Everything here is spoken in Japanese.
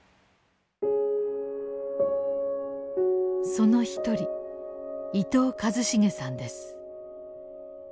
その一人伊東和重さんです。